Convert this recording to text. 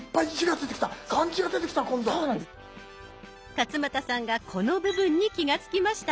勝俣さんがこの部分に気が付きました。